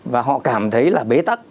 và họ cảm thấy là bế tắc